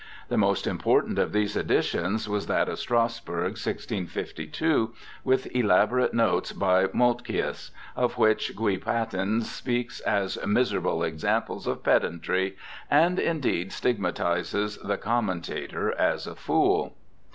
The most important of these editions was that of Strassburg, 1652, with elaborate notes by Moltkius, of which Gui Patin speaks as 'miserable examples of pedantry', and indeed stigma tizes the commentator as a fool.